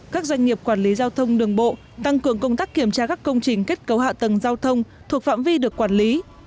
các doanh nghiệp quản lý giao thông đường bộ tăng cường công tác kiểm tra các công trình kết cấu hạ tầng giao thông thuộc phạm vi được quản lý